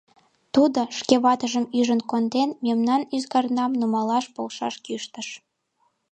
Тудо, шке ватыжым ӱжын конден, мемнан ӱзгарнам нумалаш полшаш кӱштыш.